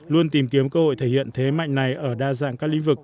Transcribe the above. luôn tìm kiếm cơ hội thể hiện thế mạnh này ở đa dạng các lĩnh vực